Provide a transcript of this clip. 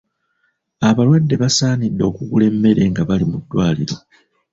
Abalwadde baasabiddwa okugula emmere nga bali mu ddwaliro.